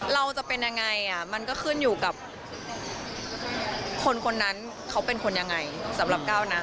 เราจะเป็นยังไงมันก็ขึ้นอยู่กับคนคนนั้นเขาเป็นคนยังไงสำหรับก้าวนะ